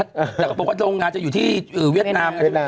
แต่ก็บอกว่าโรงงานจะอยู่ที่เวียดนาม